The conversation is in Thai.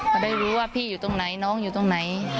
เขาได้รู้ว่าพี่อยู่ตรงไหนน้องอยู่ตรงไหน